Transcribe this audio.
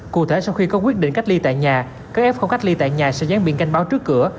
cụ thể sau khi có quyết định cách ly tại nhà các f cách ly tại nhà sẽ gián biện canh báo trước cửa